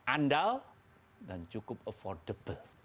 andal dan cukup affordable